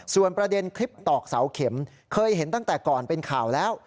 ส่วนประเด็นคลิปตอกเสาเข็มเคยเห็นตั้งแต่ก่อนเป็นข่าวแล้ว